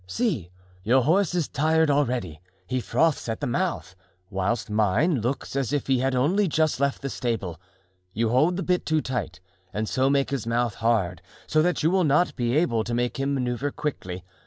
See! your horse is tired already, he froths at the mouth, whilst mine looks as if he had only just left the stable. You hold the bit too tight and so make his mouth hard, so that you will not be able to make him manoeuvre quickly.